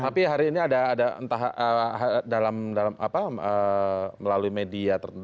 tapi hari ini ada entah dalam melalui media tertentu